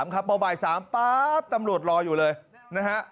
เกิดว่าบ่าย๓ป๊๊า๊บตำรวจรออยู่เลยนะฮะ